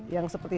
yang seperti itu